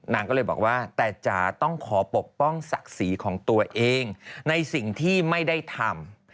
นางก็เลยบอกว่าแต่จ๋าต้องขอปกป้องศักดิ์ศรีของตัวเองในสิ่งที่ไม่ได้ทำ